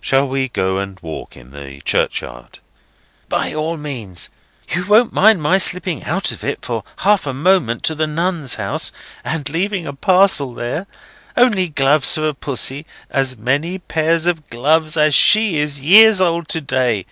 "Shall we go and walk in the churchyard?" "By all means. You won't mind my slipping out of it for half a moment to the Nuns' House, and leaving a parcel there? Only gloves for Pussy; as many pairs of gloves as she is years old to day.